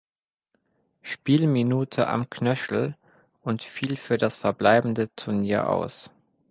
Spielminute am Knöchel und fiel für das verbleibende Turnier aus.